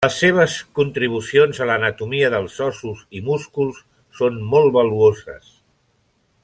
Les seves contribucions a l'anatomia dels ossos i músculs són molt valuoses.